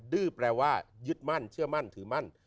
ดื้อแปลว่ายึดมั่นเชื่อมั่นถือมั่น